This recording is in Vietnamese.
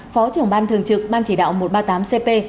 phó trưởng ban thường trực ban chỉ đạo một trăm ba mươi tám cp